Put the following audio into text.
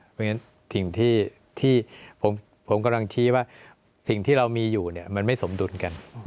เพราะฉะนั้นสิ่งที่ผมกำลังชี้ว่าสิ่งที่เรามีอยู่มันไม่สมดุลกัน